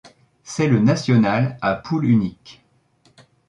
C'est le national à poule unique.